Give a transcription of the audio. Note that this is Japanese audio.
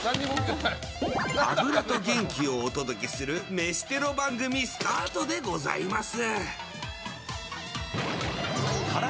脂と元気をお届けする飯テロ番組スタートでございます。